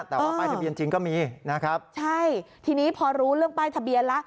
แต่ว่าป้ายทะเบียนจริงก็มีนะครับใช่ทีนี้พอรู้เรื่องป้ายทะเบียนแล้ว